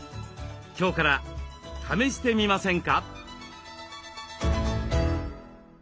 今日から試してみませんか？